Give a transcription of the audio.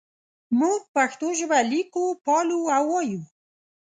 موږ پښتو ژبه لیکو پالو او وایو.